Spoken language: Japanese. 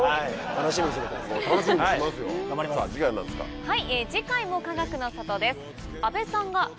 楽しみにしててください。